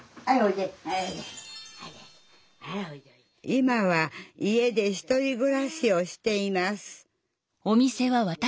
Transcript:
今は家で１人ぐらしをしています